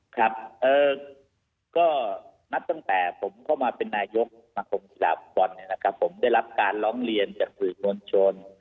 ครับนัดตั้งแต่ผมเข้ามาเป็นนายกมคศบได้รับการร้องเรียนจากฝืนโนชน